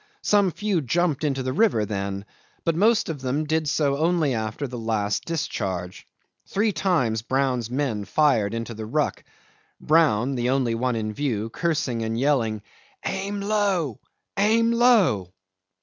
Some few jumped into the river then, but most of them did so only after the last discharge. Three times Brown's men fired into the ruck, Brown, the only one in view, cursing and yelling, "Aim low! aim low!"